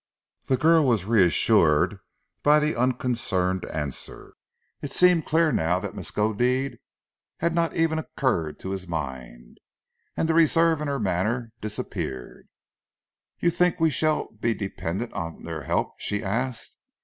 The girl was reassured by the unconcerned answer. It seemed clear now that Miskodeed had not even occurred to his mind, and the reserve in her manner disappeared. "You think we shall be dependent on their help?" she asked.